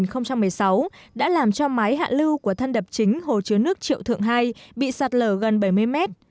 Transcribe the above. năm hai nghìn một mươi sáu đã làm cho máy hạ lưu của thân đập chính hồ chứa nước triệu thượng hai bị sạt lở gần bảy mươi mét